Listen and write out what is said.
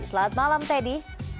selamat malam teddy